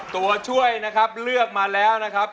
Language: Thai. ตัวช่วยเลือกมาแล้วนะครับ